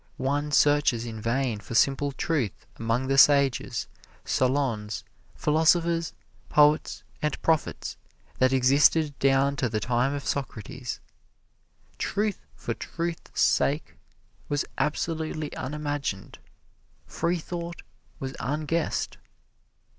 One searches in vain for simple truth among the sages, solons, philosophers, poets and prophets that existed down to the time of Socrates. Truth for truth's sake was absolutely unimagined; freethought was unguessed.